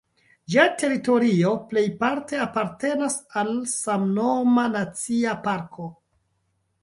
Ĝia teritorio plejparte apartenas al samnoma nacia parko.